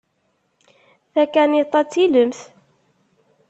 Takaniṭ-a d tilemt.